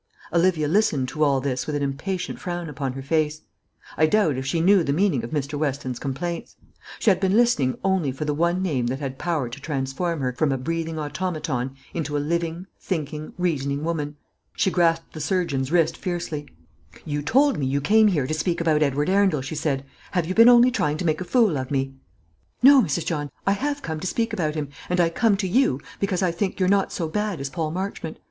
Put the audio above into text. Olivia listened to all this with an impatient frown upon her face. I doubt if she knew the meaning of Mr. Weston's complaints. She had been listening only for the one name that had power to transform her from a breathing automaton into a living, thinking, reasoning woman. She grasped the surgeon's wrist fiercely. "You told me you came here to speak about Edward Arundel," she said. "Have you been only trying to make a fool of me." "No, Mrs. John; I have come to speak about him, and I come to you, because I think you're not so bad as Paul Marchmont.